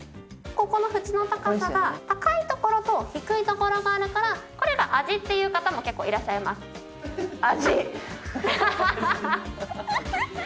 ここの縁の高さが高い所と低い所があるからこれが味っていう方も結構いらっしゃいます。